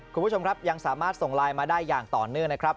คุณผู้ชมครับยังสามารถส่งไลน์มาได้อย่างต่อเนื่องนะครับ